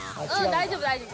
大丈夫大丈夫。